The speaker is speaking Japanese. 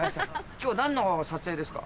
今日何の撮影ですか？